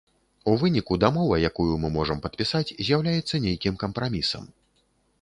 У выніку дамова, якую мы можам падпісаць, з'яўляецца нейкім кампрамісам.